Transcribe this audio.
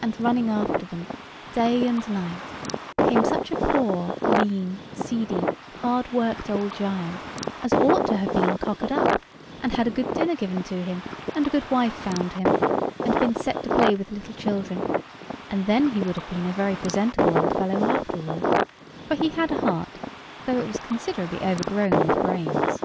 And running after them, day and night, came such a poor, lean, seedy, hard worked old giant, as ought to have been cockered up, and had a good dinner given him, and a good wife found him, and been set to play with little children; and then he would have been a very presentable old fellow after all; for he had a heart, though it was considerably overgrown with brains.